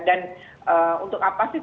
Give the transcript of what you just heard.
dan untuk apa sih